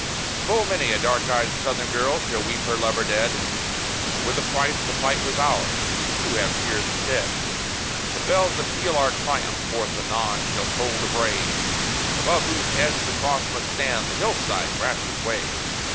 Full many a dark eyed Southern girl shall weep her lover dead; But with a price the fight was ours, we too have tears to shed! The bells that peal our triumph forth anon shall toll the brave, Above whose heads the cross must stand, the hillside grasses wave!